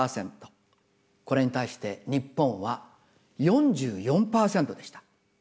これに対して日本は４４％でした。